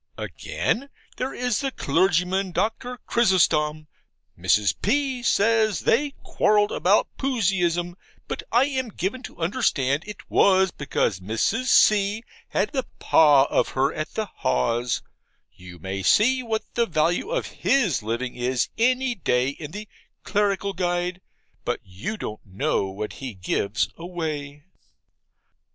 Again, there is the clergyman, Doctor Chrysostom, Mrs. P. says they quarrelled about Puseyism, but I am given to understand it was because Mrs. C. had the PAS of her at the Haws you may see what the value of his living is any day in the 'Clerical Guide;' but you don't know what he gives away.